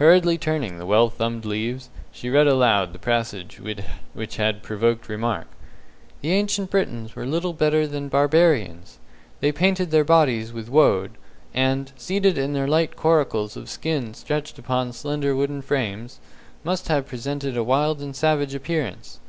Hurriedly turning the well thumbed leaves, she read aloud the passage which had provoked remark: "'The Ancient Britons were little better than Barbarians. They painted their bodies with Woad, and, seated in their light coracles of skin stretched upon slender wooden frames, must have presented a wild and savage appearance.'"